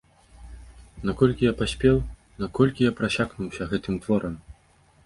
Наколькі я паспеў, наколькі я прасякнуўся гэтым творам?